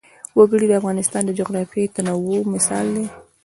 وګړي د افغانستان د جغرافیوي تنوع مثال دی.